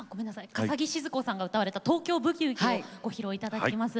笠置シヅ子さんが歌われた「東京ブギウギ」をご披露頂きます。